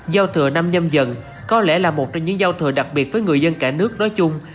giao thừa năm nhâm dần có lẽ là một trong những giao thừa đặc biệt với người dân cả nước nói chung